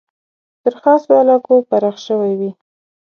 تر خاصو علاقو پراخ شوی وي.